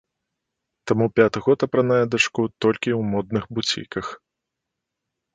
Таму пяты год апранае дачку толькі ў модных буціках.